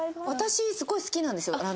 私すごい好きなんですよ